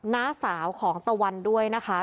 น้าสาวของตะวันด้วยนะคะ